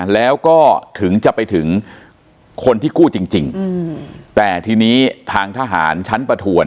แล้วก็ถึงจะไปถึงคนที่กู้จริงจริงแต่ทีนี้ทางทหารชั้นประถวน